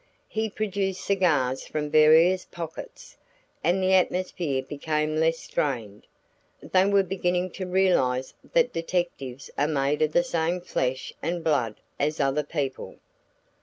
He produced cigars from various pockets, and the atmosphere became less strained. They were beginning to realize that detectives are made of the same flesh and blood as other people.